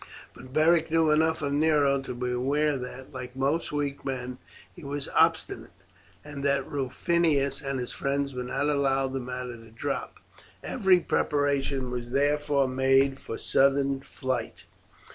But Beric knew enough of Nero to be aware that, like most weak men, he was obstinate, and that Rufinus and his friends would not allow the matter to drop. Every preparation was therefore made for sudden flight.